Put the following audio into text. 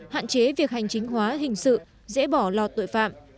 hạn chế việc hành chính hóa hình sự dễ bỏ lọt tội phạm